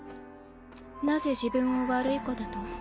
なぜ自分を悪い子だと？